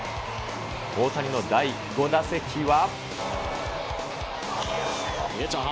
大谷の第５打席は。